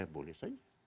ya boleh saja